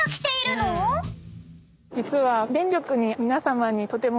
実は。